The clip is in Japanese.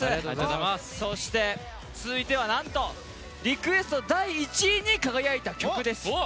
そして、続いては、なんとリクエスト第１位に輝いた曲です。